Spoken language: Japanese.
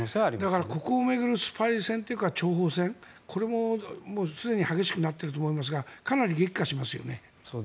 だからここを巡るスパイ戦というか諜報戦これもすでに激しくなっていると思いますがかなり激化しますよね。